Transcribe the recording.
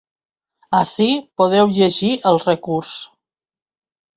Ací podeu llegir el recurs.